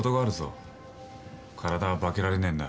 体は化けられねえんだ。